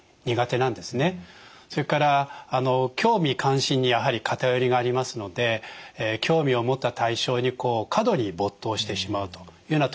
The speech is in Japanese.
それから興味関心にやはり偏りがありますので興味を持った対象に過度に没頭してしまうというような特徴があります。